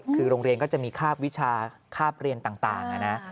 คือโรงเรียนก็จะมีคาบวิชาคาบเรียนต่างนะ